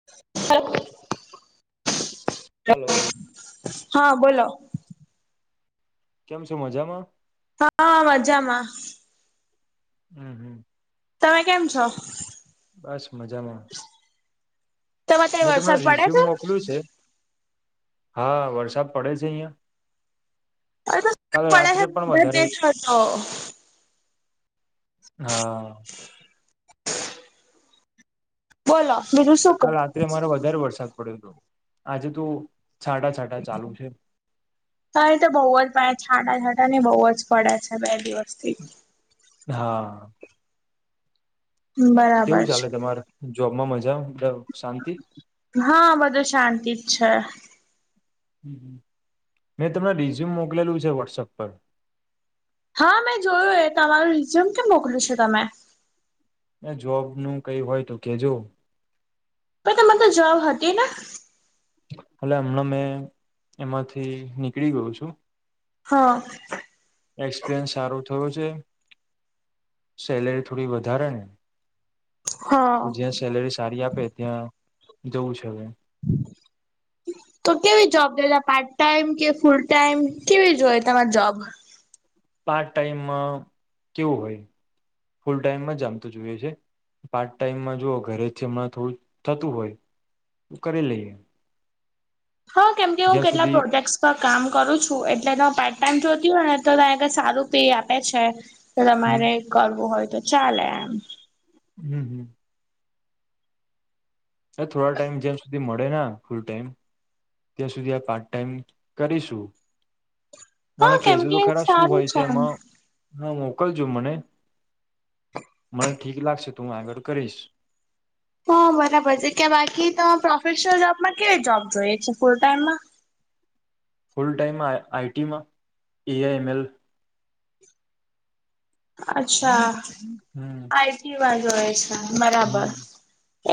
[unintelligible] Hello હા બોલો કેમ છો મજામાં હા હા મજામાં હમ હમ તમે કેમ છો બસ મજામાં તમારે ત્યાં મેં તમને વરસાદ રિઝ્યુમ પડે મોકલ્યું છે હા વરસાદ પડે છે અહિયાં અ કાલ પડે રાત્રે પણ હંદર બે વધારે હા બોલો બીજું શું? ક કાલ રાત્રે મારો વધારે વરસાદ પડ્યો હતો આજે તો છાંટા છાંટા ચાલુ છે. હા એ તો બહુ જ છાંટા છાંટા ને બહુ જ પડે છે બે દિવસથી હા બરાબર કેવું ચાલે છે તમારે જોબમાં મજા શાંતિ હા બધું શાંતિ જ છે. હ મેં તમને રિઝ્યુમ મોકલેલું છે વોટ્સઅપ પર હા મેં જોય એ તમારું જેમ કે મોકલ્યું છે તમે એ જોબ નું કઈ હોય તો કેજો પણ તમારે તો જબ હતી ને. હલે હમણાં મેં એમાંથી નીકળી ગયો છું. હા એક્સપિરિયન્સ સારો થયો છે. સેલેરી થોડી વધારે ને હા તો જ્યાં સેલરી સારી આપે ત્યાં જવું છે હવે તો કેવી જોબ જોઈ ત પાર્ટ ટાઈમ કે ફૂલ ટાઈમ કેવી જોઈ તમારે જોબ પાર્ટ ટાઈમમાં કેવું હોય ફૂલ ટાઈમમાં જમ તો જોઈએ છે. પાર્ટ ટાઈમમાં જોુઓ ઘરે છે હમણાં થોડું થતું હોય તો કરી લઈએ હા કેમ હું જ્યાં કેટલા સુધી પ્રોજેક્ટ તો કામ કરું છું એટલે ત પાર્ટ ટાઈમ જોતી હોય ને તો ત સારું પે આપે છે તો હમ તમારે કરવું હોય તો ચાલે એમ હમ હમ થોડા ટાઈમ જેમ સુધી મળે ફૂલ ટાઈમ ત્યાં સુધી આ પાર્ટ ટાઈમ કરીશું મને હા કેહેજ કેમ તો કે ખરા શું સારું હોય છે એમ એમાં હા મોકલજો મને મને ઠીક લાગશે તો હું આગળ કરીશ હા બરાબર છે કે્યા બાકી ત પ્રોફેશનલ જોબમાં કેવી જોબ જોઈએ છે ફૂલ ટાઈમમાં ફુલ ટાઈમ આ આઈ ટીમાં એઆઈ એમ એલ અચ્છા હમ્મ આઈ સીમા જુએ છે બરાબર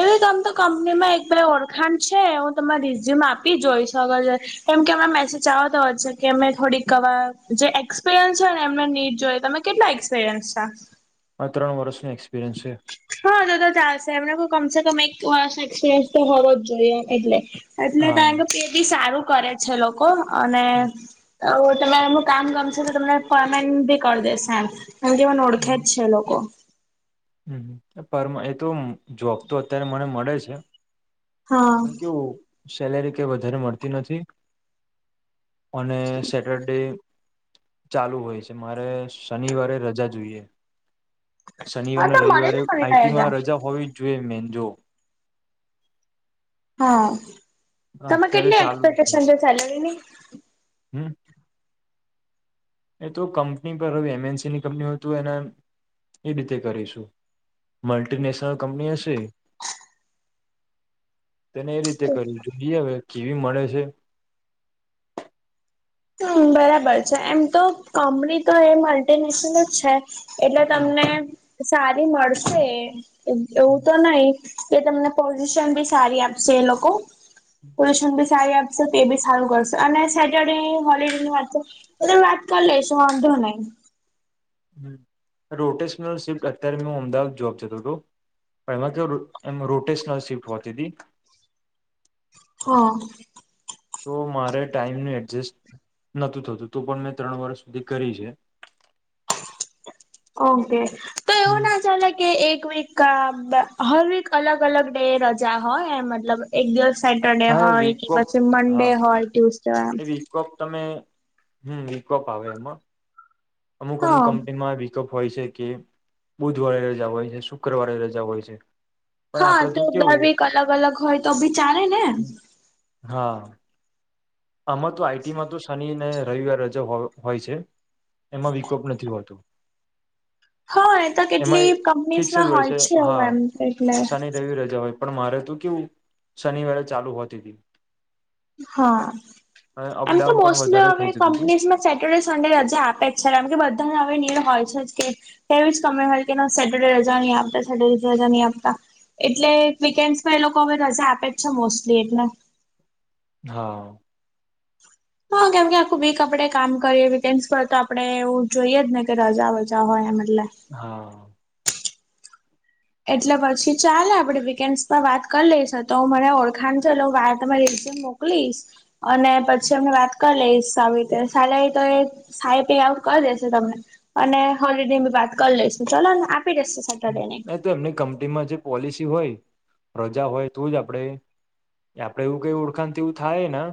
એવી તમ તો કંપની માં એક પ ઓળખાણ છે હું તમે રિઝ્યુમ આપી જોઈ અગર જો. કેમ કે એમને મેસેજ આવતા હોય છે કે એમે થોડીકવા જે એક્સપિરિયન્સ છે ને એમને નીટ જોઈ તમે કેટલા એક્સપિરિયન્સ છ. આ ત્રણ વર્ષનો એક્સપિરિયન્સ છે. હા દ તો ચાલશે એમને કમસે કમ એક વર્ષ એક્સપિરિયન્સ તો હોવો જ જોઈએ એમ એટલે- એટલે હા તણ કે પે બી સારું કરે છે લોકો અને તમે એમ- કામ ગમશે તો તમને પમેન્ટ ભી કરી દેશેેડ એમ કે મને ઓળખે જ છે લોકો- હમ પર એ તો જોબ તો અત્યારે મને મળે છે. હા પણ સેલેરી ક વધારે મળતી નથી. અને સેટરડે- ચાલુ હોય છે મારે શનિવારે રજા જોઈએ- શનિવાર અને તો મળે રવિવારે ને ફરી જા આઈટીમાં રજા હોવી જ જોઈએ મેજો- હા તમે અત્યારે કેટલી ચાલુ એક્સપેક્ટેશન છે સેલરીની- હમ- એ તો કંપની પર હવે એમએનસી ની કંપની હોય તો એને એ રીતે કરીશું- મલ્ટીનેશનલ કંપની હશે- તેને એ રીતે કરવી જોઈએ હવે કેવી મળે છે. હમ બરાબર છે એમ તો કોમેડી તો એ મલ્ટીનેશનલ જ છે. એટલે તમને સારી મળશે એવું તો નહીં- કે તમને પોઝિશન બી સારી આપશે એ લોકો- હમ [unintelligible] પોશન બી સારી આપશે તો એ બી સારું કરશે અને સેટરડે- હોલીડે ની વાત એ વાત કરલે એ વાધો નઈ- હ રોટેશનલ શિફ્ટ અત્યારે મેં હું અમદાવાદ જબ જતો હતો? પેલા તો એમ રોટેશન શિફ્ટ હોતી હતી. હા તો મારે ટાઈમનું એડજસ્ટ નહોતું થતું તો પણ મેં ત્રણ વર્ષ સુધી કરી છે. ઓકે- એવું હમ ના ચાલે કે એક વીક કા હર વીક અલગ અલગ ડે રજા હોય મતલબ એક દિવસ- સેટરડે હા એ હોય કે વીકોપ પછી મંડે હોય ટ્યુસડેય એમ- વિકપ તમે હમ વિકપ આવે એમાં અમુક અમુક હા કંપનીમાં- અપ હોય છે કે બુધવારે રજા હોય છે શુક્રવારે રજા હોય છે. પણ હા આપડે તો બ કેવું બીક અલગ અલગ હોય તો બી ચાલે ને- હા આમાં તો આઈટીમાં તો શનિ અને રવિવાર રજા હોય છે. એમાં વિકોપ નથી હોતો- હા એ તો કેટલી કંપનીઝમાં હોય છે એવું એમ એટલે- શનિ રજા હોય પણ મારે તો કેવું શનિવારે ચાલુ હોતી હતી- હા એમ તો અપડાઉન પણ વધારે મોસ્ટલીમે થઈ જતું હતું. કંપનીઝ માં - સેટરડે સંન્ડે રજે આપે જ છે ને એમ કે બધાને હવે નીળ હોય છે જ કે- એવી જ કમે હોય કે ના સેટરડે રજા નહી આપતા સેટરડે રજા નહી આપતા- એટલે વીકેન્ડમાં એ લોકો હવે રજા આપે જ છે. મોસ્ટલી એટલે- હા- હા કેમ કે આખું વીક આપડે કામ કરીએ તેમસ પર તો આપડે એવું જોઈએ જ ને કે રજા વજા હોય એ મતલે- હા- એટલે પછી ચાલ આપડે વીકેન્ડસ પર વાત કરી લઈશ તો હ મને ઓળખાણ છે એટ હ વા તમારી રિન મોક- મોકલીશ અને પછી અમને વાત કરી લઈશ આવી રીતે સલે તો એ- સાઈ પી આઉ કરી દેશે તમને અને હોલિડીે બી વાત કરી લઈશું ચલો ને આપી દેસે. એ તો એમની કંપનીમાં જે પોલિસી હોય રજા હોય તો જ આપડે આપડે એવું કઈ ઓળખાણ એવું થાય ના.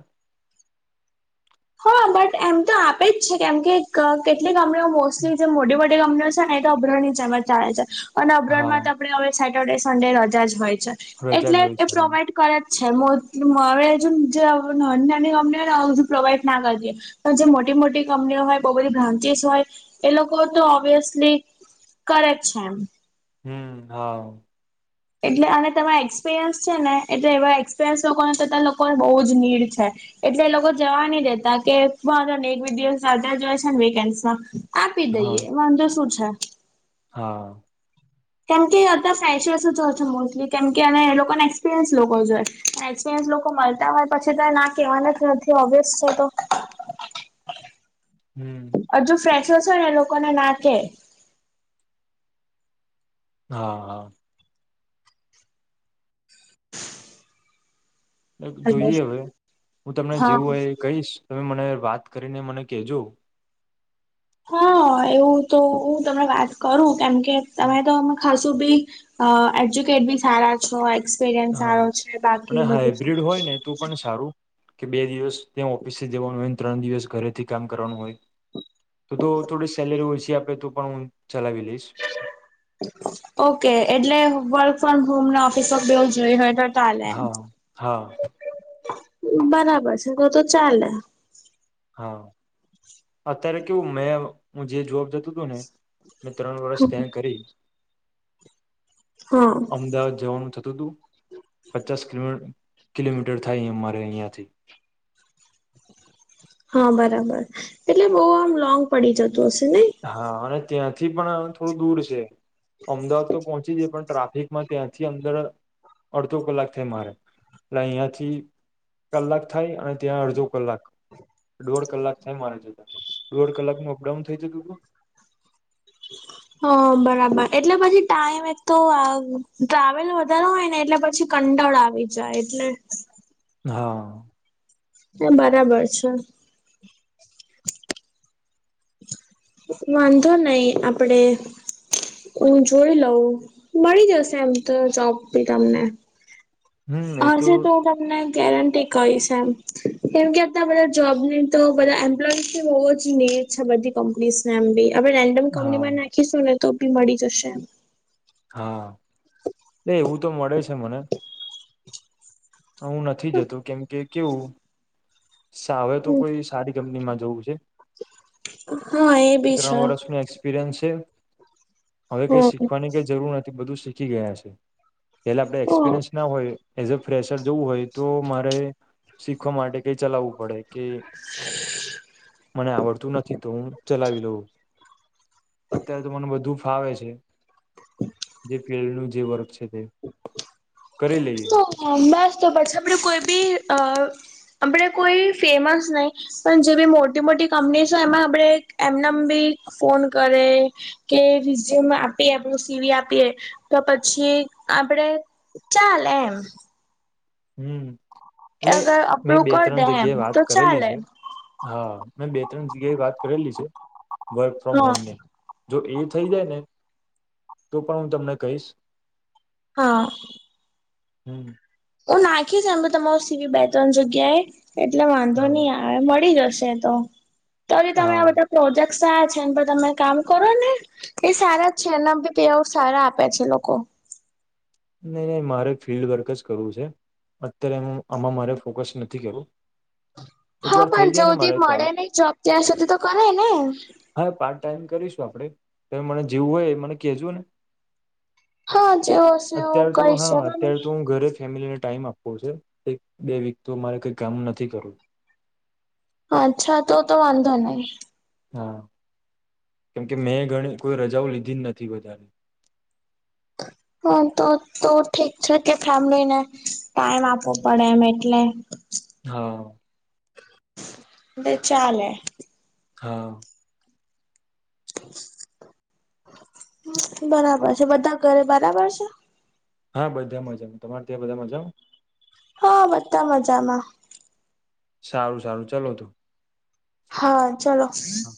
હા બટ એમ તો આપે જ છે કેમ કે કેટલીક કંપનીઓ મોસ્ટલી જે મોટી મોટી કંપનીઓ છે. ને- અભરણ જેમજ ચાલે છે અને અભરણ માં હા તો આપણે હવે સેટરડે સન્ડે રજા જ હોય છે. રજા જ એટલે હોય એ છે હા પ્રોવાઈડ- કર જ છે હવેજુ જે નાની નાની અમનેધું પ્રોવાઈડ- ના કરીએ પણ જે મોટી મોટી કંપનીઓ હોય બહુ બધી બ્રાન્ચિસ હોય- એ લોકો તો ઓબ્વિયસલી કરે છે એમ. હમ હાવ. એટલે અને તમારા એક્સપિરિયન્સ છે ને એટલે એવા એક્સપિરિયન્સ લોકોને કરતા લોકોને બહુ જ નીડ છે. એટલે એ લોકો જવા ન દેતા કે વાંધો ન‌ઇ એક દિવસ [inaudible] સાથે જાય છે વિકેશમાં આપી હા દઈએ વાંધો શું છે. હા. કેમ કે અતા ફ્રેશ વસ જ હો છે મોસ્ટલી કેમ કે અને એ લોકોને એક્સપિરિયન્સ લોકો જોએ. એક્સપિરિયન્સ લોકો મળતા હોય પછી તો ના કહેવાના જ નથી ઓબ્વિયસ તો તો. હમ. હજુ ફ્રેશો છો ને એ લોકોને નાકે. હા હા. જોઈએ હવે હું તમને હા જેવું હોય એ કહીશ તમે મને વાત કરીને મને કહેજો. હા એવું તો હું તમને વાત કરું કેમ કે તમે તો. ખાસું બી અ એજ્યુકેટ બી સારા. સો એક્સપિરિયન્સ સારો છે બાકી બધું સારું. તું પણ સારું. કે બે દિવસ ત્યા ઓફિસ જવાનું હોય ને ત્રણ દિવસ ઘરેથી કામ કરવાનું હોય. તો તો થોડી સેલેરી ઓછી આપે તો પણ હું ચલાવી લઈશ. ઓકે એટલે વલ્ડ. ફમ હોમ ના ઓફિસ માં બેવુ હોય તો ચાલે. હા હા બરાબર છે તો તો ચાલે. હા અત્યારે કેવું મેં હું જે જોબ જતો. જતો ને મેં ત્રણ વર્ષ તે કરી. હા અમદાવાદ જવાનું થતું તું. પચાસ કિલો કિલોમીટર થાય અમારે અહીંયાથી. હા બરાબર એટલે બહુ આમ લોંગ પડી જતું હશે ને. હા અને ત્યાંથી પણ થોડું દૂર છે અમદાવાદ તો પહોંચી જાય પણ ટ્રાફિક માં ત્યાંથી અંદર અડધો કલાક થાય મારે એટલે અહિયાંથી કલાક થાય અને ત્યાં અડધો કલાક. હ [inaudible] દોઢ કલાક થાય મારે જતા દોઢ કલાક ન અપડાઉન થઈ જતું તું. હ બરાબર એટલે પછી ટાઈમ એક તો અ ટ્રાવેલ વધારો હોય ને એટલે પછી. પછી કંટાળો આવી જાય એટલે. હા. તે બરાબર છે. વાંધો નહી આપડે. હું જોઈ લઉં મળી જશે એમ તો જોબ બી તમને. હમ એ આજે તો તમને. ગેરંટી કહીશ એમ કેમ કે અતા બધા જોબ નહી તો બધા એમ્પ્લોય હોવો જ‌ઇએ. છે બધી કંપનીઝ ને એમ બી હવે રેન્ડમ કંપની હા માં નાખીશું ને તો બી મળી જશે એમ. હા એ એવું તો મળે છે મને. હું નથી જતો કેમ કે કેવું. સાવે તો કોઈ સારી કંપનીમાં જવું છે. હા એ બી છે. એપિરયન્સ છે હવે કઈ શીખવાની હમ કઈ જરૂર નથી બધું શીખી ગયા છે. પેલા આપણે એક્સપિરિયન્સ ના હોય એઝ અ ફ્રેશર જવું હોય તો મારે શીખવા માટે કઈ ચલાવવું પડે. કે મને આવડતું નથી તો હું ચલાવી લઉં. અત્યારે તો મને બધું ફાવે છે. [unintelligible] નુ જે વર્ક છે તે કરી લઈએ. બસ તો બટસ આપણે કોઈ બી અ આપણે કોઈ ફેમસ નહી પણ જે બી મોટી મોટી કંપની છે એમાં આપણેે એમનેમ બી ફોન કરે કે રીઝયુમ આપીએ આપણું સીવી આપીએ તો પછી આપડે ચાલ એમ. હમ્મ એટલે અગર મેં અપ્રુવ બે કરી દે ત્રણ એમ જગ્યાએ વાત તો કરેલી ચાલે છે. હા મેં બે ત્રણ જગ્યાએ વાત કરેલી છે વર્ક ફ્રોમ હા હોમ ને. જો એ થઈ જાય ને તો પણ હું તમને કહીશ હા. હમ્મ. હું નાખીશ એમ તમારો સીવી બે ત્રણ જગ્યાએ એટલે વાંધો હા નહી આવે. હવે મળી જશે એ તો તો બી તમે આ હા બધા પ્રોજેક્ટ થાય છે ને તમે કામ કરો ને એ સારા જ છે એના બી પૈહા ઓ સારા આપે છે લોકો. નહી નહી મારે ફિલ્ડ વર્ક જ કરવું છે. અત્યારે હું આમાં મારે ફોકસ નથી કરવું. એક હા વાર થઈ પણ જયો જાય ને હુદી મારે મળે ચાલુ નઈ જોબ ત્યાં સુધી તો કરે ને. હા એ પાર્ટ ટાઈમ કરીશું આપડે તમે મને જેવું હોય મને કહેજો ને. હા જે [unintelligible] અત્યારે તો હા અત્યારે તો હું ઘરે ફેમિલીને ટાઈમ આપ આપવું છે એક બે વીકતો મારે કઈ કામ નથી કરવું. અચ્છા તો તો વાંધો નહી. હા કેમકે મેં ઘણી કોઈ રજાઓ લીધી જ નથી વધારે. હા તો તો ઠીક છે કે ફેમલીને ટાઈમ આપવો પડે એમ એટલે હા. મેં ચાલે હા. બરાબર છે બધા ઘરે બરાબર છે. હા બધા મજામાં તમારે ત્યાં બધા મજમા. હા બધા મજામાં. સારું સારું ચાલો તો. હા ચલો. હા